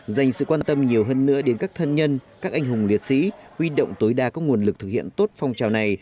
dành sự quan tâm nhiều hơn nữa đến các thân nhân các anh hùng liệt sĩ huy động tối đa các nguồn lực thực hiện tốt phong trào này